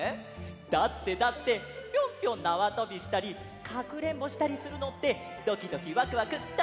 だってだってぴょんぴょんなわとびしたりかくれんぼしたりするのってドキドキワクワクたのしいんだもん！